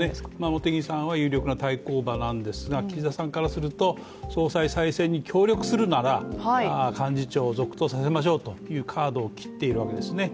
茂木さんは有力な対抗馬なんですが岸田さんからすると総裁再選に協力するなら幹事長を続投させましょうというカードを切っているわけですね。